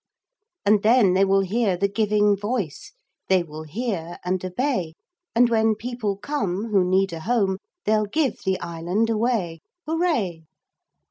'And then they will hear the giving voice, They will hear and obey, And when people come Who need a home, They'll give the island away. Hooray.